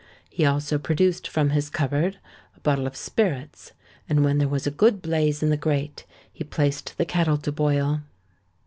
He also produced from his cupboard a bottle of spirits, and when there was a good blaze in the grate, he placed the kettle to boil.